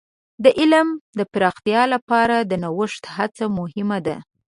د علم د پراختیا لپاره د نوښت هڅه مهمه ده.